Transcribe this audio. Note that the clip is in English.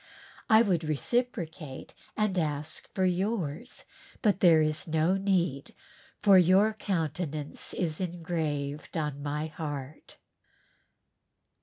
I would reciprocate and ask for yours but there is no need _for your countenance is engraved on my heart!